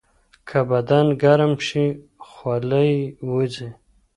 که بدن ګرم شي، خوله یې وځي.